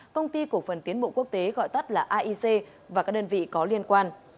công ty cổ phần tiến bộ quốc tế gọi tắt là aic và các đơn vị có liên quan